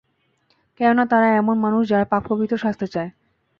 কেননা, তারা এমন মানুষ যারা পাক-পবিত্র সাজতে চায়।